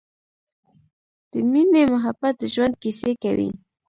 د مینې مخبت د ژوند کیسې کوی